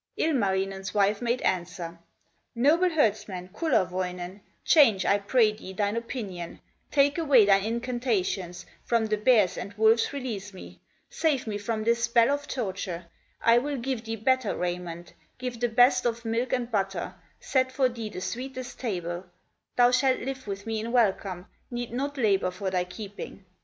Ilmarinen's wife made answer: "Noble herdsman, Kullerwoinen, Change, I pray thee, thine opinion, Take away thine incantations, From the bears and wolves release me, Save me from this spell of torture; I will give thee better raiment, Give the best of milk and butter, Set for thee the sweetest table; Thou shalt live with me in welcome, Need not labor for thy keeping.